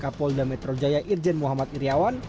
kapolda metro jaya irjen muhammad iryawan